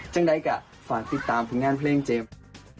จึงได้กับฝากติดตามทุกงานเพลงเจมส์